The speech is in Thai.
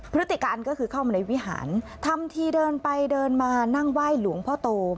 พฤติการก็คือเข้ามาในวิหารทำทีเดินไปเดินมานั่งไหว้หลวงพ่อโต